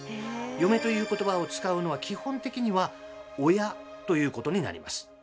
「嫁」という言葉を使うのは基本的には親ということになります。